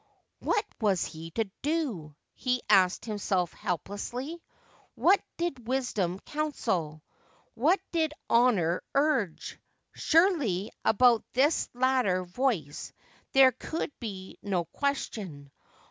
' What was he to do ?' he asked himself helplessly. What did Wisdom counsel ? What did Honour urge ? Surely about this latter voice there could be no question.